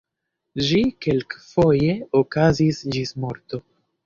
Ĝi kelkfoje okazis ĝis morto.